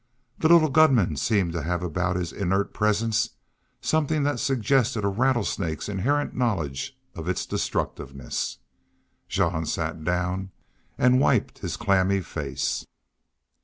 The little gunman seemed to have about his inert presence something that suggested a rattlesnake's inherent knowledge of its destructiveness. Jean sat down and wiped his clammy face.